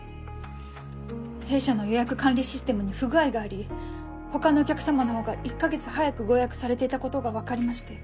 弊社の予約管理システムに不具合がありほかのお客様のほうが１か月早くご予約されていたことが分かりまして。